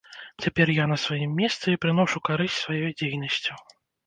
Цяпер я на сваім месцы і прыношу карысць сваёй дзейнасцю.